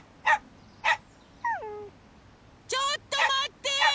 ちょっとまって！